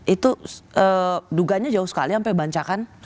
itu dugaannya jauh sekali sampai bancakan